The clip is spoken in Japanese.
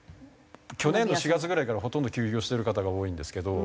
去年の４月ぐらいからほとんど休業してる方が多いんですけど。